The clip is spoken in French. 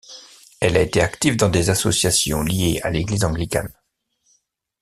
Elle a été active dans des associations liées à l'Église anglicane.